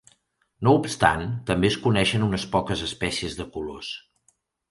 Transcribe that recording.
No obstant, també es coneixen unes poques espècies de colors.